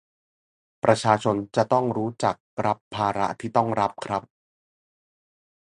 ประชาชนจะต้องรู้จักรับภาระที่ต้องรับครับ